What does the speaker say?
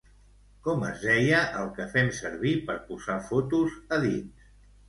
Com es deia el que fem servir per posar fotos a dins?